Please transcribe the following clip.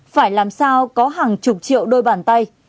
phải làm sao có hàng chục triệu đôi bàn tay